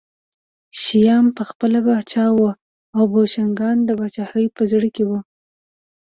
شیام پخپله پاچا و او بوشنګان د پاچاهۍ په زړه کې وو